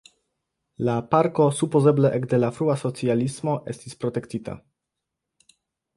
La parko supozeble ekde la frua socialismo estis protektita.